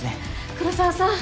黒澤さん。